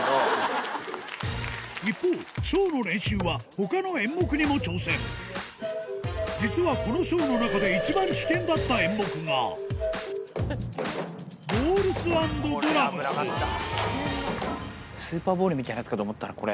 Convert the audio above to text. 一方ショーの練習は他の演目にも挑戦実はこのショーの中でスーパーボールみたいなやつかと思ったらこれ。